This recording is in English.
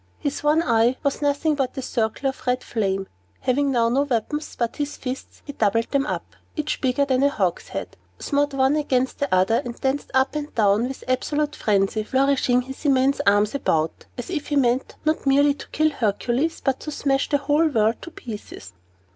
His one eye was nothing but a circle of red flame. Having now no weapons but his fists, he doubled them up (each bigger than a hogshead), smote one against the other, and danced up and down with absolute frenzy, flourishing his immense arms about, as if he meant not merely to kill Hercules, but to smash the whole world to pieces.